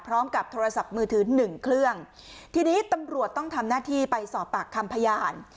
พร้อมกับโทรศัพท์มือถือหนึ่งเครื่องทีนี้ตำรวจต้องทำหน้าที่ไปสอบปากคำพยาน